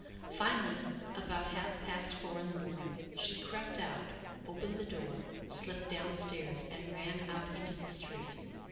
Finally, about half past four in the morning, she crept out, opened the door, slipped downstairs, and ran out into the street.